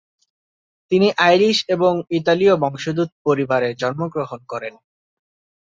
তিনি আইরিশ এবং ইতালীয় বংশোদ্ভূত পরিবারে জন্মগ্রহণ করেন।